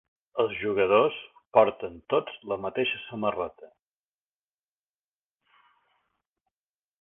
Els jugadors porten tots la mateixa samarreta.